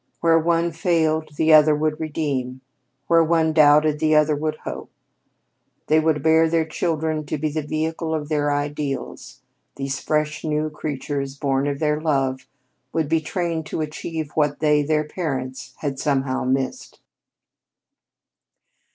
Where one failed, the other would redeem; where one doubted, the other would hope. They would bear their children to be the vehicle of their ideals these fresh new creatures, born of their love, would be trained to achieve what they, their parents, had somehow missed.